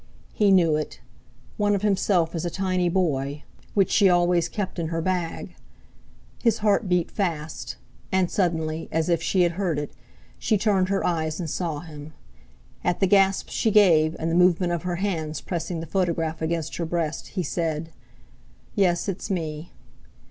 He knew it—one of himself as a tiny boy, which she always kept in her bag. His heart beat fast. And, suddenly as if she had heard it, she turned her eyes and saw him. At the gasp she gave, and the movement of her hands pressing the photograph against her breast, he said: "Yes, it's me."